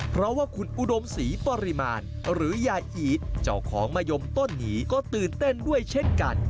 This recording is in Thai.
เพราะว่าคุณอุดมศรีปริมาณหรือยายอีทเจ้าของมะยมต้นนี้ก็ตื่นเต้นด้วยเช่นกัน